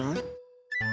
tanya yang banyak